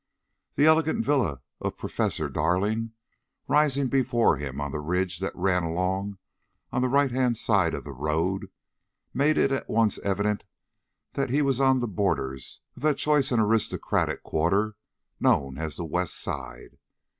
The elegant villa of Professor Darling rising before him on the ridge that ran along on the right hand side of the road, made it at once evident that he was on the borders of that choice and aristocratic quarter known as the West Side.